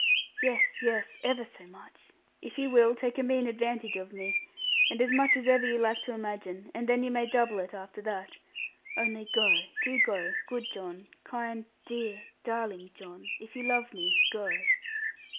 Yes, yes, ever so much! If you will take a mean advantage of me. And as much as ever you like to imagine; and then you may double it, after that. Only go, do go, good John; kind, dear, darling John; if you love me, go.'